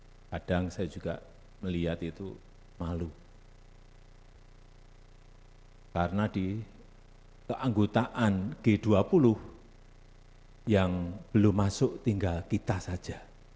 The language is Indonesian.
kadang saya juga melihat itu malu karena di keanggotaan g dua puluh yang belum masuk tinggal kita saja